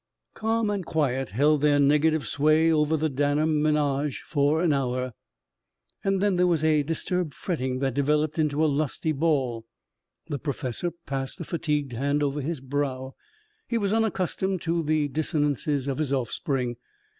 III Calm and quiet held their negative sway over the Danner ménage for an hour, and then there was a disturbed fretting that developed into a lusty bawl. The professor passed a fatigued hand over his brow. He was unaccustomed to the dissonances of his offspring.